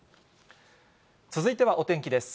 続いてはお天気です。